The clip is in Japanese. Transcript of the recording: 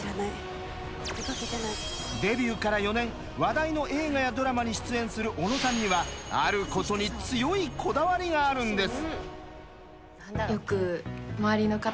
デビューから４年話題の映画やドラマに出演する小野さんにはあることに強いこだわりがあるんです。